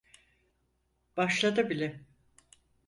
Başladı bile.